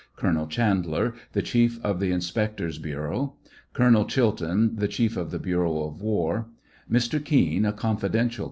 Colonel Chandler, the chief of the inspector's bureau. Colonel Chilton, the chief of the bureau of war, Mr, Kean, a confidential.